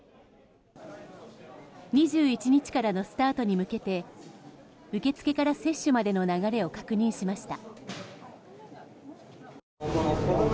２１日からのスタートに向けて受け付けから接種までの流れを確認しました。